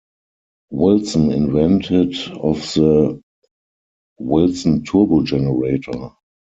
Wilson invented of the 'Wilson Turbogenerator'.